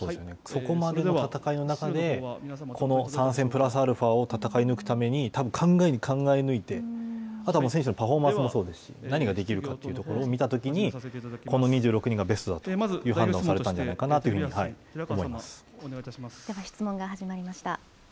そこまでの戦いの中で、この３戦プラスアルファを戦い抜くために考えに考え抜いて、あとは選手のパフォーマンスもそうですし、何ができるかというところを見たときにこの２６人がベストだという判断をされたのかなと思では、質問が始まりました。